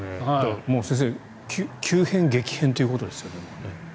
もう先生急変、激変ということですよね。